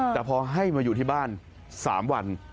แต่พอให้มาอยู่ที่บ้าน๓วัน